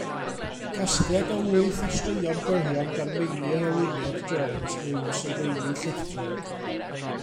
Casgliad o wyth o straeon byrion gan Meinir Eluned Jones yw Sylfeini Llithrig.